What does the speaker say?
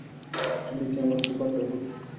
তুমি কি আমার সুপার ডগো?